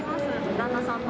旦那さんの。